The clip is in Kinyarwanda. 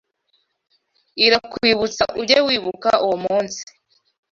Irakwibutsa ujye wibuka uwo munsi